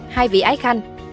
hai vị ái khanh